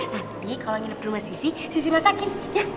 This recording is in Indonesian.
nanti kalau nginep di rumah sisi sisi masakin